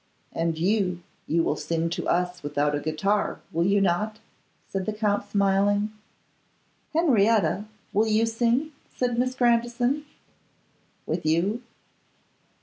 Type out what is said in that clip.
'And you, you will sing to us without a guitar, will you not?' said the Count, smiling. 'Henrietta, will you sing?' said Miss Grandison. 'With you.